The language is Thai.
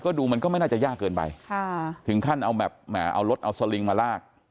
ก็ดูมันก็ไม่น่าจะยากเกินไปถึงขั้นเอารถเอาสลิงมาลาก